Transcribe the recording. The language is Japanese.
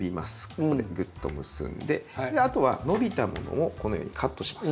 ここでグッと結んであとは伸びたものをこのようにカットします。